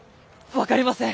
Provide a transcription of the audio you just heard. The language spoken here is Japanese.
分かりません。